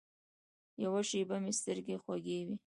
یوه شېبه مې سترګې خوږې وې.